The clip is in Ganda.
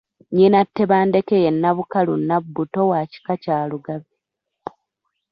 Nnyina Tebandeke ye Nnabukalu Nnabbuto wa kika kya Lugave.